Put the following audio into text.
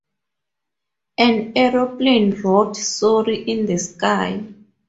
An aeroplane wrote "Sorry" in the sky.